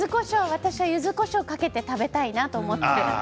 私はゆずこしょうをかけて食べたいなと思って。